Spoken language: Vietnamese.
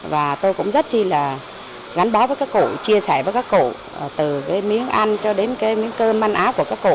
và tôi cũng rất chi là gắn bó với các cụ chia sẻ với các cụ từ cái miếng ăn cho đến cái miếng cơm ăn áo của các cụ